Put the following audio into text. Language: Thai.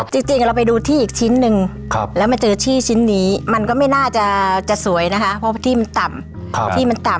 คุณลูกค้าชอบถ่ายรูปได้ค่ะ